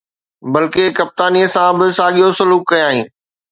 بلڪ ڪپتانيءَ سان به ساڳيو سلوڪ ڪيائين.